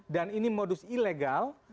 dan ini modus ilegal